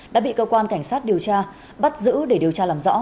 đã bị cơ quan cảnh sát điều tra bắt giữ để điều tra làm rõ